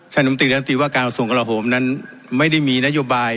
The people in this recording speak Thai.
ท่านหนุ่มตรีว่าการส่งกระโหมนั้นไม่ได้มีนโยบาย